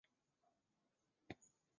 皮特姆。